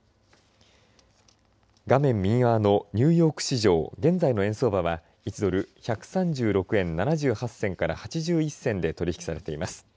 画面右側のニューヨーク市場現在の円相場は１ドル１３６円７８銭から８１銭で取り引きされています。